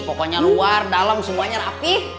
pokoknya luar dalam semuanya rapih